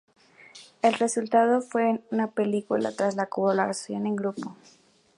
El resultado final fue una película tras la colaboración en grupo.